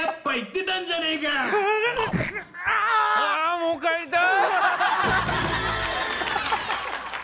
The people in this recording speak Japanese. もう帰りたい！